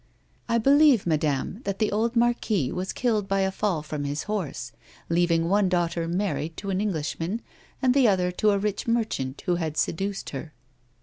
" I believe, madame, that the old marquis was killed by a fall from his horse, leaving one daughter married to an Englishman, and the other to a rich merchant who had seduced her."